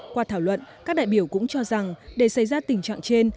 qua thảo luận các đại biểu cũng cho rằng để xảy ra tình trạng trên